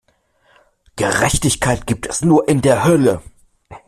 Gerechtigkeit gibt es nur in der Hölle!